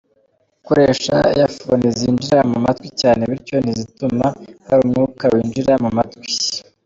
Gukoresha earphones zinjira mu matwi cyane bityo ntizituma hari umwuka winjira mu matwi.